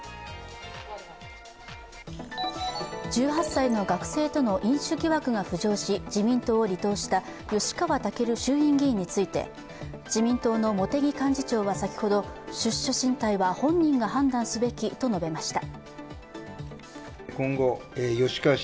１８歳の学生との飲酒疑惑が浮上し自民党を離党した吉川赳衆院議員について自民党の茂木幹事長は先ほど、出処進退は本人が判断すべきと述べました。